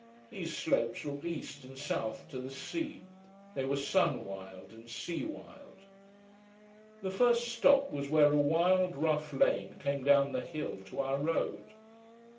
These slopes looked east and south to the sea, they were sun wild and sea wild. The first stop was where a wild, rough lane came down the hill to our road.